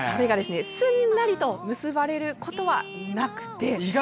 すんなりと結ばれることはなくて。